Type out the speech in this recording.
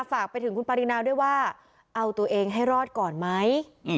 ฝากไปถึงคุณปรินาด้วยว่าเอาตัวเองให้รอดก่อนไหม